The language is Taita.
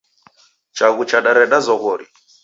Chaghu chadareda zoghori.